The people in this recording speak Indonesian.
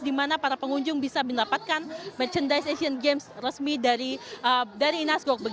di mana para pengunjung bisa mendapatkan merchandise asian games resmi dari inasgok